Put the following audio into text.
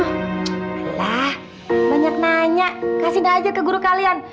alah banyak nanya kasihin aja ke guru kalian